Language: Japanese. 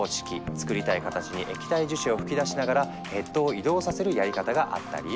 作りたい形に液体樹脂を噴き出しながらヘッドを移動させるやり方があったり。